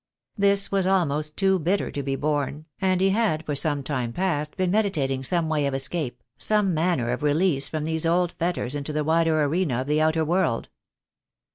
This was almost too bitter to be borne, and he had for some time past been meditating some way of escape, some manner of release from these old fetters into the wider arena of the outer world.